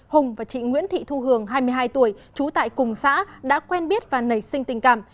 hùng và chị nguyễn thị thu hường hai mươi hai tuổi trú tại cùng xã đã quen biết và nảy sinh tình cảm